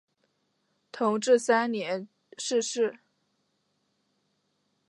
同治三年逝世。